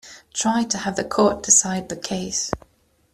Try to have the court decide the case.